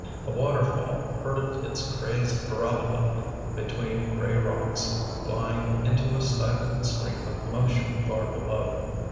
A waterfall hurdled its crazed parabola between gray rocks, flying into a stifled scream of motion far below.